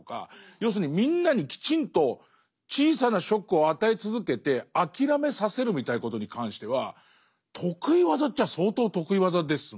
要するにみんなにきちんと小さなショックを与え続けて諦めさせるみたいなことに関しては得意技っちゃ相当得意技ですもんね。